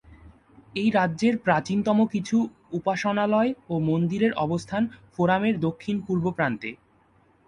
এই রাজ্যের প্রাচীনতম কিছু উপসনালয় ও মন্দিরের অবস্থান ফোরামের দক্ষিণ-পূর্ব প্রান্তে।